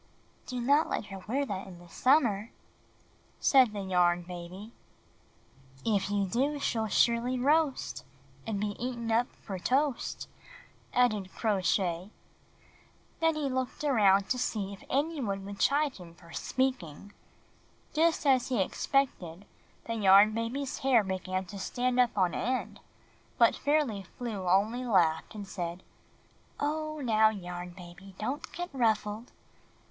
"Do not let her wear that in summer," said the Yarn Baby. MtiATear it mil mjimmero" A Little Petticoat 91 ''If you do she'll surely roast And be eaten up for toast," added Crow Shay. Then he looked around to see if anyone would chide him for speaking. Just as he expected, the Yarn Baby's hair began to stand up on end; but Fairly Flew only laughed and said, "Oh, now, Yarn Baby, don't get ruffled.